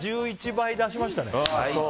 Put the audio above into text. １１倍出しましたね。